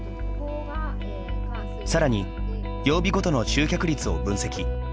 さらに曜日ごとの集客率を分析。